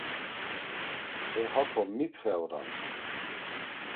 E hako mipxe oran?